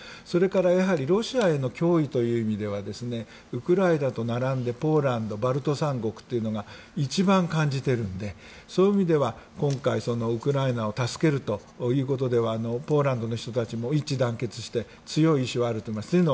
それからロシアへの脅威という意味ではウクライナと並んでポーランド、バルト三国というのが一番感じているのでそういう意味では今回、ウクライナを助けるということでポーランドの人たちも一致団結して強い意志はあると思います。